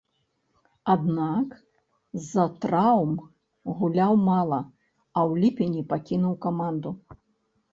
Аднак, з-за траўм гуляў мала, а ў ліпені пакінуў каманду.